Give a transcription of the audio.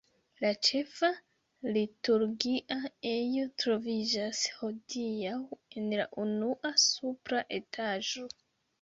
La ĉefa liturgia ejo troviĝas hodiaŭ en la unua supra etaĝo.